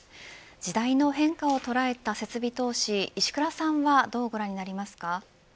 時代の変化を捉えた設備投資石倉さんはどうご覧になりますか。